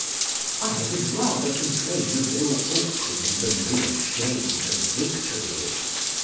'" ["I had rather complain of ill fortune than be ashamed of victory."